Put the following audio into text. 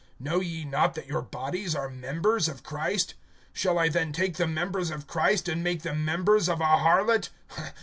(15)Know ye not that your bodies are members of Christ? Shall I then take the members of Christ, and make them members of a harlot?